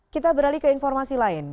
kita beralih ke informasi lain